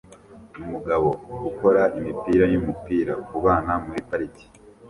Umugabo ukora imipira yumupira kubana muri parike